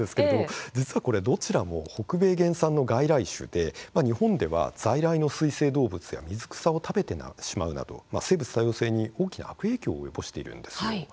実はどちらも北米原産の外来種で日本では在来の水生動物や水草を食べてしまうなど生物多様性に大きな悪影響を及ぼしているんです。